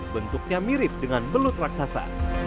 bentuknya mirip dengan belut raksasa